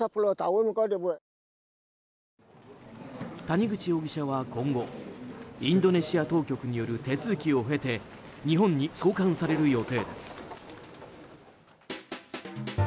谷口容疑者は今後インドネシア当局による手続きを経て日本に送還される予定です。